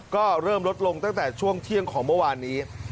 ก็เริ่มลดลงตั้งแต่ช่วงเที่ยงของเมื่อวานนี้